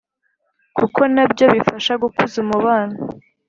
kuko nabyo bifasha gukuza umubano.